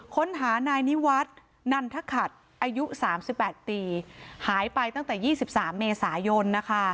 ค้นหานายนิวัฒน์นันทขัดอายุ๓๘ปีหายไปตั้งแต่๒๓เมษายนนะคะ